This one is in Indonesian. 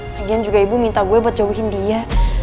kajian juga ibu minta gue buat jauhin dia